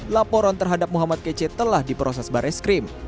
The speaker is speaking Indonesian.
laporan terhadap muhammad kc telah diproses baris krim